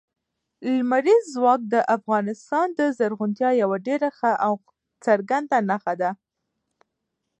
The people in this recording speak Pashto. لمریز ځواک د افغانستان د زرغونتیا یوه ډېره ښه او څرګنده نښه ده.